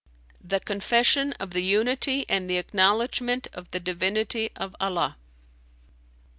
"The confession of the Unity and the acknowledgment of the divinity of Allah."